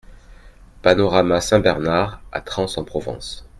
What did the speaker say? Panorama Saint-Bernard à Trans-en-Provence